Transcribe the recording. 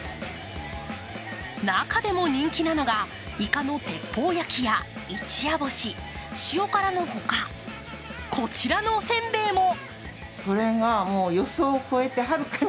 中でも人気なのがイカの鉄砲焼きや一夜干し、塩辛のほか、こちらのおせんべいも。